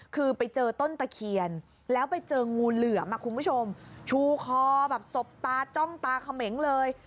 คือไปเจอต้นตะเคียนแล้วไปเจองูเหลือมคุณผู้ชมชูคอแบบสบตาจ้องตาเขมงเลย